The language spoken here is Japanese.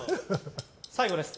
最後です。